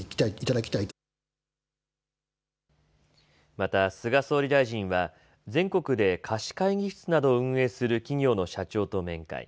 また菅総理大臣は全国で貸し会議室などを運営する企業の社長と面会。